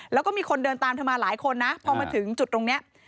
แล้วก็มีคนเดินตามเธอมาหลายคนนะพอมาถึงจุดตรงนี้